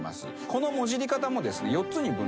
このもじり方もですね４つに分類できます。